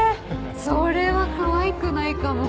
それはかわいくないかも。